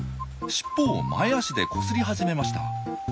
尻尾を前足でこすり始めました。